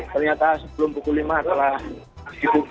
ternyata sebelum pukul lima telah dibuka